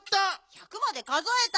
１００までかぞえた？